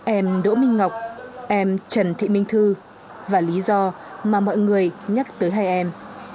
em đỗ minh ngọc em trần thị minh thư và lý do mà mọi người nhắc tới hai em